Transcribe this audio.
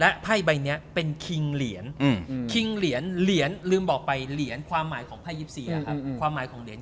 และไฟใบเนี้ยเป็นคิงเหรียญอืมคิงเหรียญเหรียญลืมบอกไปเหรียญความหมายของไฟยิบสี่อ่ะครับ